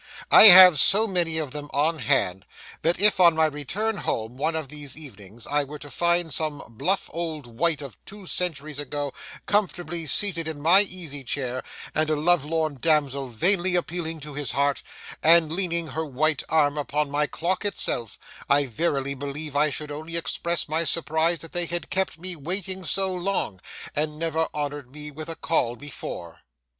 I have so many of them on hand, that if on my return home one of these evenings I were to find some bluff old wight of two centuries ago comfortably seated in my easy chair, and a lovelorn damsel vainly appealing to his heart, and leaning her white arm upon my clock itself, I verily believe I should only express my surprise that they had kept me waiting so long, and never honoured me with a call before.